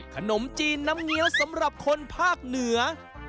ขนมจีนน้ำเงี้ยวสำหรับคนภาคเหนือ